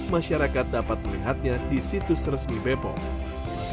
masyarakat dapat melihatnya di situs resmi bepom